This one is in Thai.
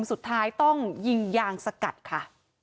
สุดท้ายต้องยิงยางสกัดค่ะ